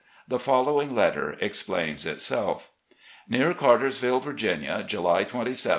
The following letter explains itself: "Near Cartersville, Virginia, July 27, 1865.